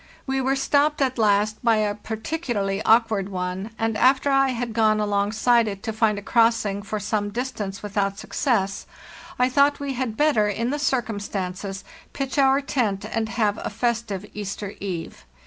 We were stopped at last by a particularly awkward one, and after I had gone alongside it to finda crossing for some distance without success, I thought we had better, in the circumstances, pitch our tent and have a festive Easter eve.